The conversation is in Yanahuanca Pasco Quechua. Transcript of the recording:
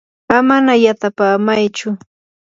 amana yatapamaychu.